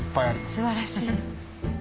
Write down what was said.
素晴らしい。